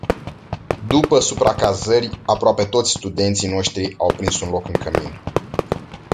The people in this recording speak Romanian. După supracazări, aproape toți studenții noștri au prins un loc în cămin.